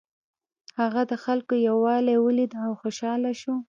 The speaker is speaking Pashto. هغه د خلکو یووالی ولید او خوشحاله شو.